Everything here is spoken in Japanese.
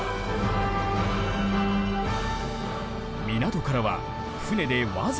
港からは船で僅か５分。